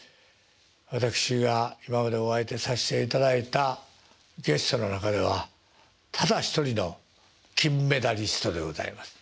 私が今までお相手させていただいたゲストの中ではただ一人の金メダリストでございます。